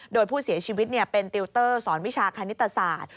โดยผู้เสียชีวิตเป็นติวเตอร์สอนวิชาคณิตศาสตร์